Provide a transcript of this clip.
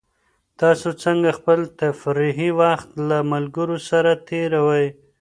تاسو څنګه خپل تفریحي وخت له ملګرو سره تېروئ؟